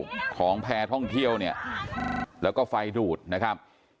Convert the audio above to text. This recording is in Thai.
ที่มีสายไฟอยู่ของแพทย์ท่องเที่ยวเนี่ยแล้วก็ไฟดูดนะครับ